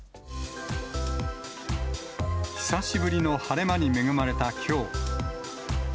久しぶりの晴れ間に恵まれたきょう。